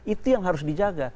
itu yang harus dijaga